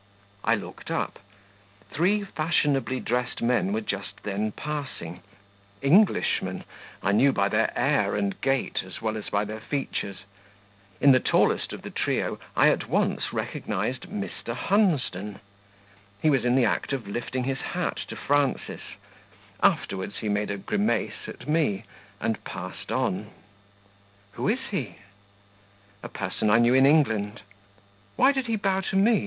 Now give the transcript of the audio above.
I looked up; three fashionably dressed men were just then passing Englishmen, I knew by their air and gait as well as by their features; in the tallest of the trio I at once recognized Mr. Hunsden; he was in the act of lifting his hat to Frances; afterwards, he made a grimace at me, and passed on. "Who is he?" "A person I knew in England." "Why did he bow to me?